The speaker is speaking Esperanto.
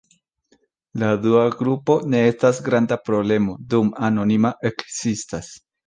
La dua grupo ne estas granda problemo, dum anonima ekzistas.